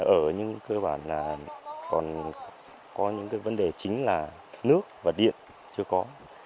ở những cơ bản là còn có những cái vấn đề chính là nước và điện chưa có